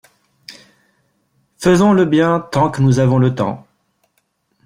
Faisons le bien tant que nous avons le temps.